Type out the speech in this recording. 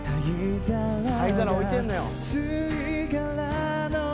灰皿置いてんのよ。